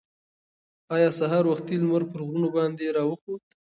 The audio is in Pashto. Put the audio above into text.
ایا سهار وختي لمر پر غرونو باندې راوخوت؟